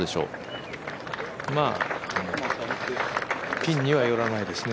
ピンには寄らないですね。